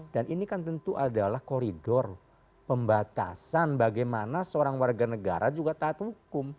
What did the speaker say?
dan ini kan tentu adalah koridor pembatasan bagaimana seorang warga negara juga taat hukum